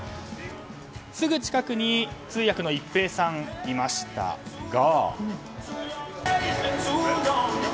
すぐ近くに通訳の一平さんがいましたが。